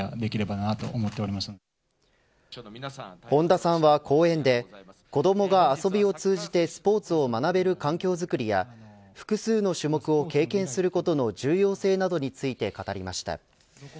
本田さんは講演で子どもが遊びを通じてスポーツを学べる環境づくりや複数の種目を経験することの重要性などについて語りました。